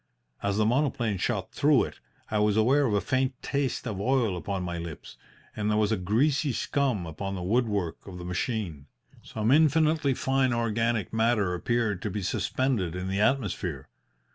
As the monoplane shot through it, I was aware of a faint taste of oil upon my lips, and there was a greasy scum upon the woodwork of the machine. Some infinitely fine organic matter appeared to be suspended in the atmosphere.